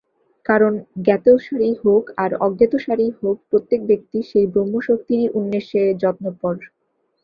কারণ জ্ঞাতসারেই হউক আর অজ্ঞাতসারেই হউক, প্রত্যেক ব্যক্তি সেই ব্রহ্মশক্তিরই উন্মেষে যত্নপর।